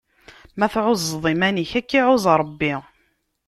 Ma tɛuzzeḍ iman-ik, ad k-iɛuzz Ṛebbi.